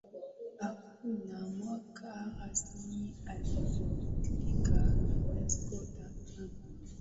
Hakuna mwaka rasmi aliozaliwa vasco da gama